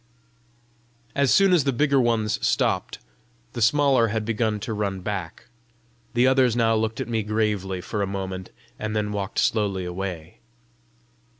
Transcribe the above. As soon as the bigger ones stopped, the smaller had begun to run back. The others now looked at me gravely for a moment, and then walked slowly away.